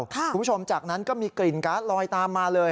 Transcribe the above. คุณผู้ชมจากนั้นก็มีกลิ่นก๊าซลอยตามมาเลย